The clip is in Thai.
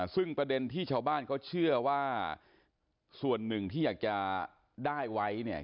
ซึ่งประเด็นที่ชาวบ้านเขาเชื่อว่าส่วนหนึ่งที่อยากจะได้ไว้เนี่ย